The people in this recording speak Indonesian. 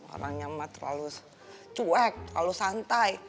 orangnya terlalu cuek terlalu santai